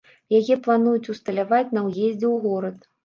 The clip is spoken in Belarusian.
Яе плануюць усталяваць на ўездзе ў горад.